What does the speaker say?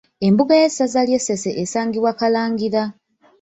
Embuga y'essaza ly’e Ssese esangibwa Kalangira.